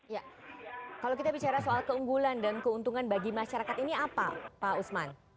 ya kalau kita bicara soal keunggulan dan keuntungan bagi masyarakat ini apa pak usman